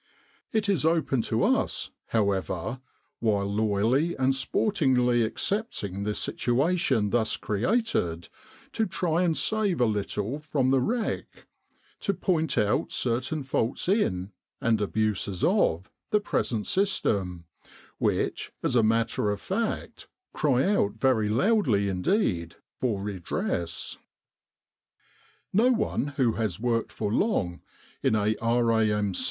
It is open to us, however, while loyally and sportingly accepting the situation thus created, to try and save a little from the wreck ; to point out certain faults in, and abuses of, the present system, which, as a matter of fact, cry out very loudly indeed for redress. " No one who has worked for long in a R.A.M.